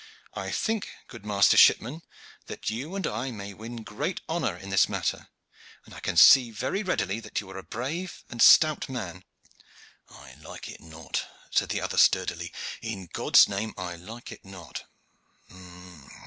I think, good master shipman, that you and I may win great honor in this matter, and I can see very readily that you are a brave and stout man." "I like it not," said the other sturdily. "In God's name, I like it not.